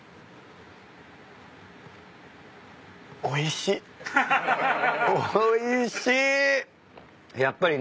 おいしっ。